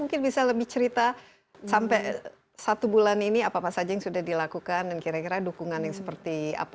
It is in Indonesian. kita sampai satu bulan ini apa saja yang sudah dilakukan dan kira kira dukungan yang seperti apa